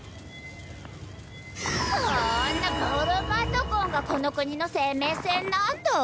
そーんなボロパソコンがこの国の生命線なんだ。